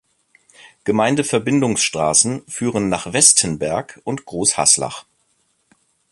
Gemeindeverbindungsstraßen führen nach Vestenberg und Großhaslach.